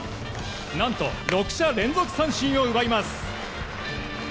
何と６者連続三振を奪います。